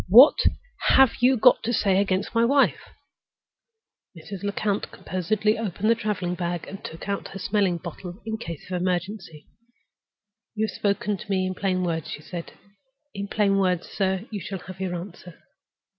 What have you got to say against my wife?" Mrs. Lecount composedly opened the traveling bag and took out her smelling bottle, in case of emergency. "You have spoken to me in plain words," she said. "In plain words, sir, you shall have your answer.